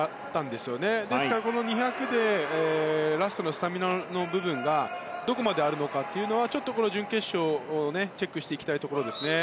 ですから、２００でラストのスタミナの部分がどこまであるのかちょっと準決勝をチェックしていきたいですね。